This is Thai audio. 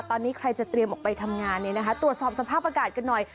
ตอนนี้ใครจะเตรียมออกไปทำงานเนี่ยนะคะตรวจสอบสภาพอากาศกันหน่อย